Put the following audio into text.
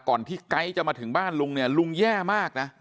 ก่อนพี่ไก๊จะมาถึงบ้านลุงลุงแย่มากนะ